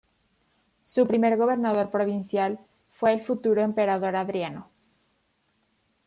Su primer gobernador provincial fue el futuro emperador Adriano.